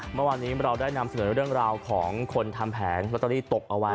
เมื่อวานนี้เราได้นำเสนอเรื่องราวของคนทำแผงลอตเตอรี่ตกเอาไว้